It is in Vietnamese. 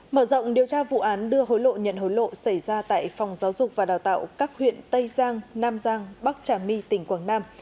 mở rộng điều tra vụ án đưa hối lộ nhận hối lộ xảy ra tại phòng giáo dục và đào tạo các huyện tây giang nam giang bắc trà my tỉnh quảng nam